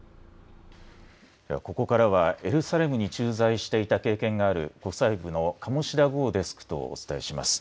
ここからはエルサレムに駐在していた経験がある国際部の鴨志田郷デスクとお伝えします。